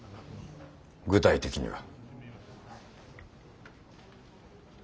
具体的には？